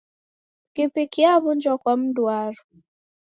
Pikipiki yaw'unjwa kwa mndu waro.